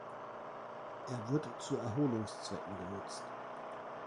Er wird zu Erholungszwecken genutzt.